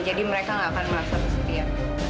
jadi mereka ga akan merasa bersedia